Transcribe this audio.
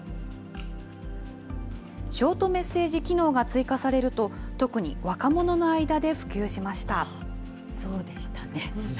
ショートメッセージ機能が追加されると、特に若者の間で普及しまそうでしたね。